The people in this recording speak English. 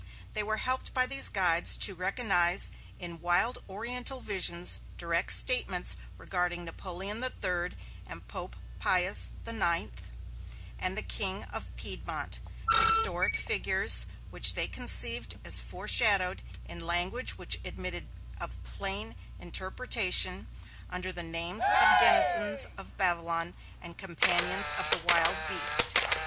They were helped by these guides to recognize in wild Oriental visions direct statements regarding Napoleon III and Pope Pius IX and the King of Piedmont, historic figures which they conceived as foreshadowed, in language which admitted of plain interpretation, under the names of denizens of Babylon and companions of the Wild Beast.